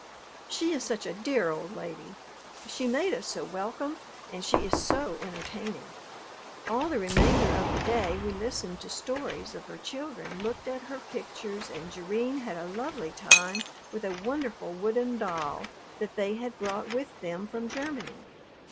She is such a dear old lady! She made us so welcome and she is so entertaining. All the remainder of the day we listened to stories of her children, looked at her pictures, and Jerrine had a lovely time with a wonderful wooden doll that they had brought with them from Germany.